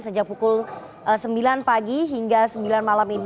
sejak pukul sembilan pagi hingga sembilan malam ini